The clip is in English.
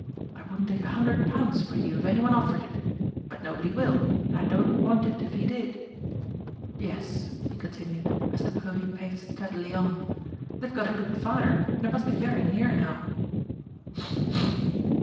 I wouldn't take a hundred pounds for you if any one offered it; but nobody will, and I don't want it if he did. "Yes," he continued, as the pony paced steadily on, "they've got a good fire, and it must be very near now.